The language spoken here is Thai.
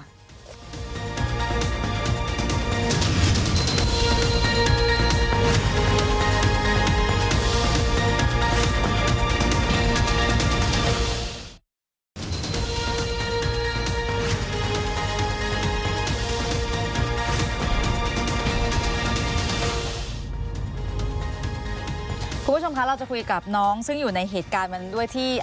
คุณผู้ชมคะเราจะคุยกับน้องซึ่งอยู่ในเหตุการณ์มันด้วยที่